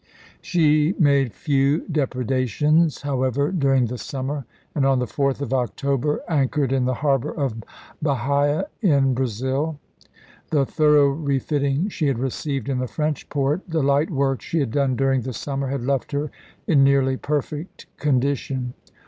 She made few depredations, however, dur ing the summer, and on the 4th of October an chored in the harbor of Bahia in Brazil. The thor ough refitting she had received in the French port, the light work she had done during the summer, had left her in nearly perfect condition.